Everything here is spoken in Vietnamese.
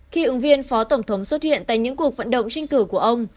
khi ứng viên phó tổng thống xuất hiện tại những cuộc vận động tranh cử của ông